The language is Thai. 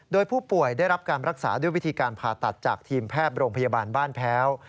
โดยผู้ป่วยได้รับการรักษาด้วยวิธีการผ่าตัดจากทีมแพทย์โรงพยาบาลบ้านแพ้ว